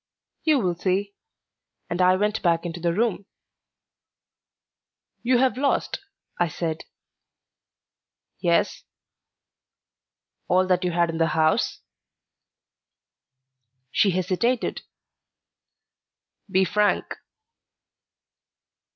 "You will see." And I went back into the room. "You have lost," I said. "Yes. "All that you had in the house?" She hesitated. "Be frank."